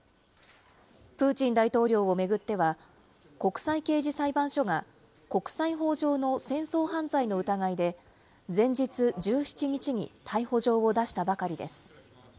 プーチン大統領を巡っては、国際刑事裁判所が、国際法上の戦争犯罪の疑いで、前日１７日に逮捕状を出したばかりです。